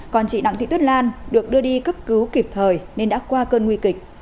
còn chị đặng thị tuyết lan được đưa đi cấp cứu kịp thời nên đã qua cơn nguy kịch